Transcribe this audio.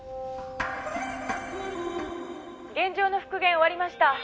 「現場の復元終わりました」